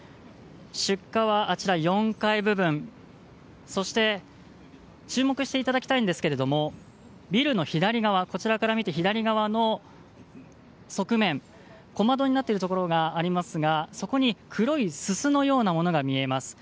出火は４階部分そして注目していただきたいんですけどビルの左側の側面小窓になっているところがありますがそこに黒いすすのようなものが見えます。